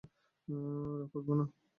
রাগ করবো কেন?